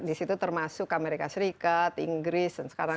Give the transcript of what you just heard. di situ termasuk amerika serikat inggris dan sekarang